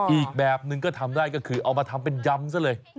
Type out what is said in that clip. อีกแบบหนึ่งก็ทำได้ก็คือเอามาทำเป็นยำซะเลย